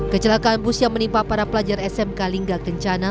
kecelakaan bus yang menimpa para pelajar smk lingga kencana